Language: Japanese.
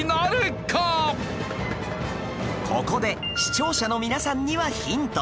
ここで視聴者の皆さんにはヒント